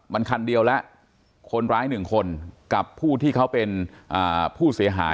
มันคันเดียวแล้วคนร้ายหนึ่งคนกับผู้ที่เขาเป็นผู้เสียหาย